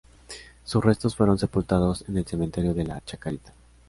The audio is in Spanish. Sus restos fueron sepultados en el cementerio de la Chacarita.